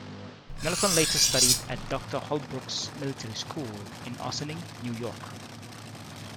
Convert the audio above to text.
Nelson later studied at Doctor Holbrook's Military School in Ossining, New York.